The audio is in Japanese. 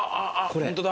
ホントだ。